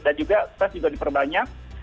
dan juga stress juga diperbanyak